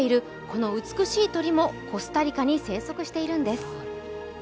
この美しい鳥もコスタリカに生息しているんです。